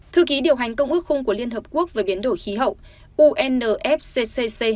thư ký điều hành công ước không của liên hợp quốc về biến đổi khí hậu unfccc